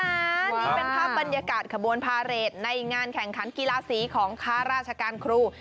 นี่เป็นภาพบรรยากาศขบวนพาเรทในงานแข่งขันกีฬาสีของข้าราชการครู